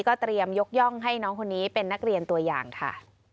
เตรียมยกย่องให้น้องคนนี้เป็นนักเรียนตัวอย่างค่ะ